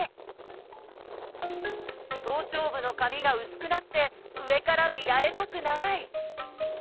頭頂部の髪が薄くなって上から見られたくない！